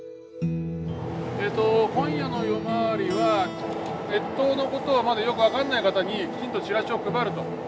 えっと今夜の夜回りは越冬のことがまだよく分かんない方にきちんとチラシを配ると。